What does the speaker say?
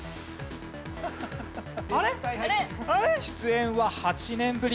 出演は８年ぶり。